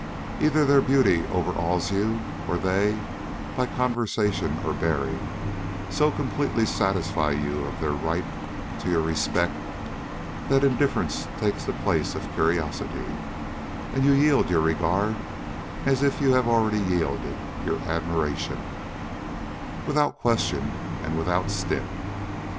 Either their beauty overawes you or they, by conversation or bearing, so completely satisfy you of their right to your respect, that indifference takes the place of curiosity, and you yield your regard as if you have already yielded your admiration, without question and without stint.